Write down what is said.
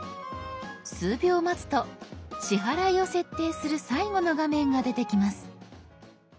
数秒待つと支払いを設定する最後の画面が出てきます。